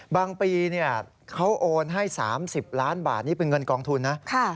บางปีเขาโอนให้๓๐ล้านบาทนี่เป็นเงินกองทุนนะ